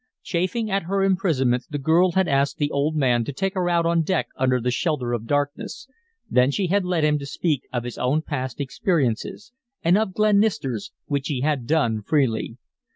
Chafing at her imprisonment, the girl had asked the old man to take her out on deck under the shelter of darkness; then she had led him to speak of his own past experiences, and of Glenister's; which he had done freely.